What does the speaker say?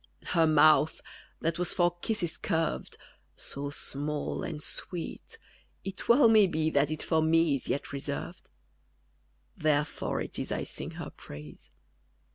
_ Her mouth, that was for kisses curved, So small and sweet, it well may be That it for me is yet reserved: _Therefore it is I sing her praise.